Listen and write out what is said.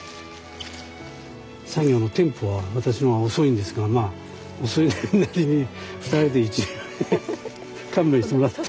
作業のテンポは私の方が遅いんですが遅いなりに２人で１人前で勘弁してもらって。